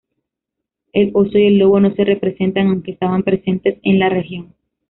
El oso y el lobo no se representan aunque estaban presentes en la región.